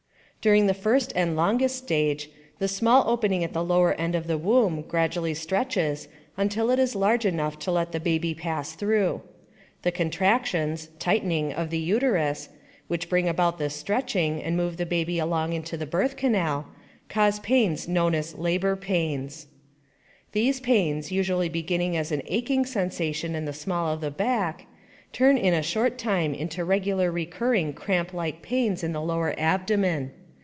During the first and longest stage, the small opening at the lower end of the womb gradually stretches until it is large enough to let the baby pass through. The contractions (tightening) of the uterus, which bring about this stretching and move the baby along into the birth canal, cause pains known as labor pains. These pains, usually beginning as an aching sensation in the small of the back, turn in a short time into regularly recurring cramplike pains in the lower abdomen.